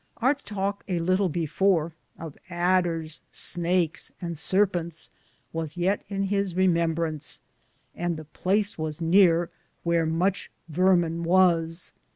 Our talk a litle before, of Aders, snakes, and sarpentes, was yeat in his rememberance, and the place was neare wheare muche varmen was.